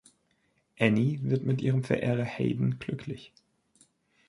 Annie wird mit ihrem Verehrer Hayden glücklich.